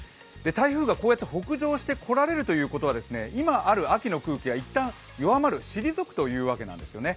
台風がこうやって北上して来られるということは今ある秋の空気が一旦弱まる、退くというわけなんですね。